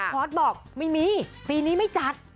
พอสบอกไม่มีปีนี้ไม่จัด